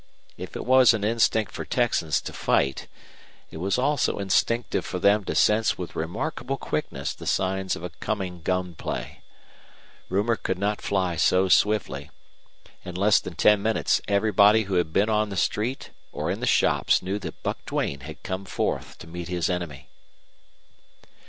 If it was an instinct for Texans to fight, it was also instinctive for them to sense with remarkable quickness the signs of a coming gun play. Rumor could not fly so swiftly. In less than ten minutes everybody who had been on the street or in the shops knew that Buck Duane had come forth to meet his enemy.